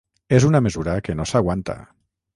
És una mesura que no s’aguanta.